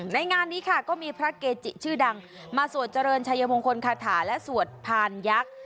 งานนี้ค่ะก็มีพระเกจิชื่อดังมาสวดเจริญชัยมงคลคาถาและสวดพานยักษ์